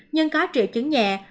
nhưng có triệu chứng nhẹ